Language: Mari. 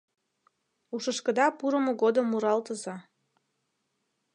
Ушышкыда пурымо годым муралтыза.